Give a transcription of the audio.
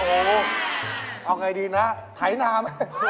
เอ้าไงดีนะไขนาม